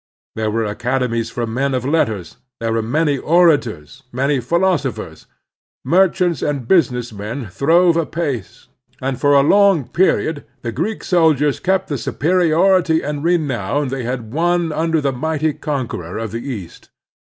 There were academies for men of letters ; there were many orators, many philosophers. Merchants and business men throve apace, and for a long period the Greek soldiers kept the superiority and renown they had won tmder the mighty conqueror of the East.